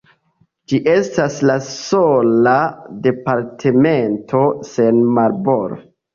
Ĝi estas la sola departemento sen marbordo.